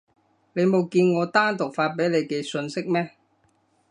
你冇見我單獨發畀你嘅訊息咩？